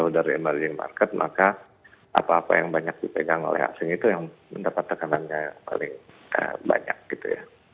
kalau dari emerging market maka apa apa yang banyak dipegang oleh asing itu yang mendapat tekanannya paling banyak gitu ya